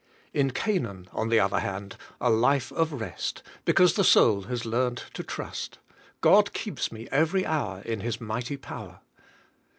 In Canaan, on the other hand, a life of rest, because the soul has learned to trust: "God keeps me every hour in His mighty power."